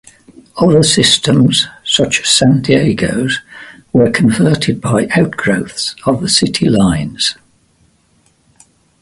Other systems, such as San Diego's, were converted by outgrowths of the City Lines.